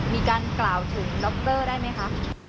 มีการกล่าวถึงดรได้ไหมคะ